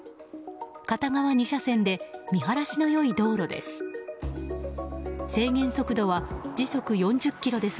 片側２車線で見晴らしの良い道路です。